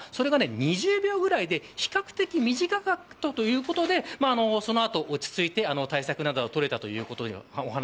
２０秒ぐらいで、比較的短かったということでその後落ち着いて、対策などを取れたということです。